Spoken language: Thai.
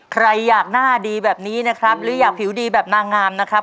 ใครอยากหน้าดีแบบนี้นะครับหรืออยากผิวดีแบบนางงามนะครับ